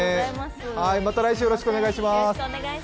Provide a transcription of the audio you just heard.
また来週よろしくお願いします。